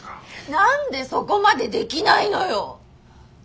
何でそこまでできないのよ！